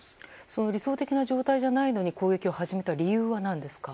その理想的な状態じゃないのに攻撃を始めた理由は何ですか？